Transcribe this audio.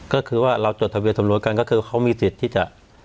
ก็คือว่าเราจดทะเบียสำรวจกันก็คือเขามีสิทธิ์ที่จะ